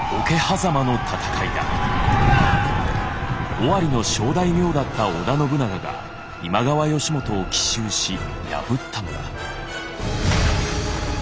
尾張の小大名だった織田信長が今川義元を奇襲し破ったのだ。